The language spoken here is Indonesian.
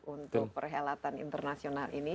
untuk perhelatan internasional ini